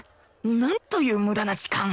なんという無駄な時間